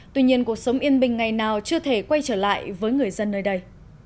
tuy nhiên cuộc sống yên bình ngày nào chưa thể quay trở lại với người dân nơi đây